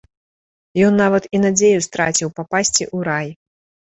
Ён нават і надзею страціў папасці ў рай.